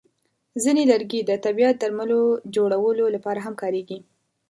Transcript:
ځینې لرګي د طبیعي درملو جوړولو لپاره هم کارېږي.